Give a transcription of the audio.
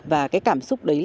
và cái cảm xúc đấy là thật